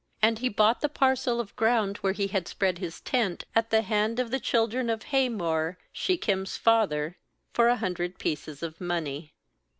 19And he bought the parcel of ground, where he had spread his tent, at the hand of the children of Hamor, She chem's father, for a hundred pieces of money.